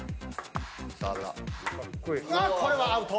これはアウト。